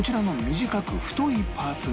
短く太いパーツを？